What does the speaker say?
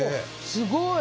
すごい！